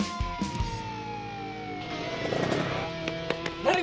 kau ingin bertemu